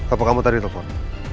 apa kamu tadi telepon